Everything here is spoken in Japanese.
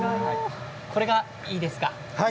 これがいいですか。